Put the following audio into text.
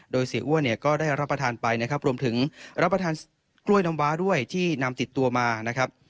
โดยเสียอ้วนเนี่ยก็ได้รับประทานไปนะครับรวมถึงรับประทานกล้วยน้ำว้าด้วยที่นำติดตัวมานะครับ